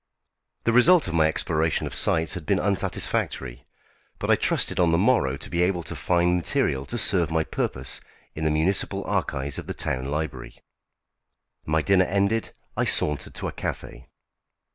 The result of my exploration of sites had been unsatisfactory; but I trusted on the morrow to be able to find material to serve my purpose in the municipal archives of the town library. My dinner ended, I sauntered to a café.